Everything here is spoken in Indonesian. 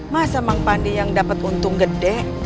masa mang pandi yang dapat untung gede